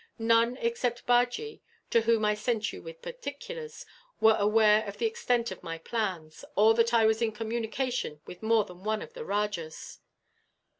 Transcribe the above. None except Bajee, to whom I sent you with particulars, were aware of the extent of my plans, or that I was in communication with more than one of the rajahs.